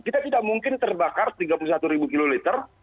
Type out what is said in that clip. kita tidak mungkin terbakar tiga puluh satu kiloliter